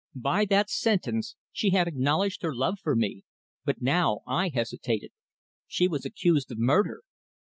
By that sentence she had acknowledged her love for me, but now I hesitated. She was accused of murder.